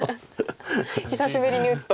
久しぶりに打つと。